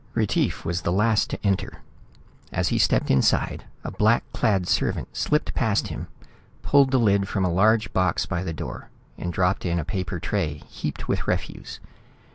Retief was the last to enter. As he stepped inside, a black clad servant slipped past him, pulled the lid from a large box by the door and dropped in a paper tray heaped with refuse.